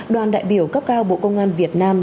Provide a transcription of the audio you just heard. đoàn đại biểu cấp cao bộ công an việt nam